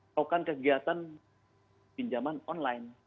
melakukan kegiatan pinjaman online